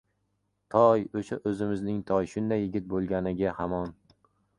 Toy... o‘sha o‘zimizning Toy shunday yigit bo‘lganiga hamon